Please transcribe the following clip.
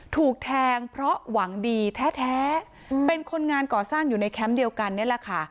ถูกแทงเพราะหวังดีแท้เป็นคนงานก่อสร้างอยู่ในแคมป์เดียวกันนี่แหละค่ะ